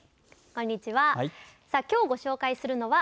こんにちは。